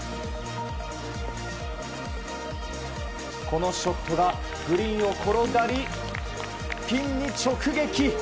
このショットがグリーンを転がりピンに直撃。